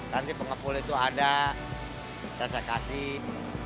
nanti pengepul itu ada kita kasih